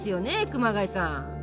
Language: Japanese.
熊谷さん。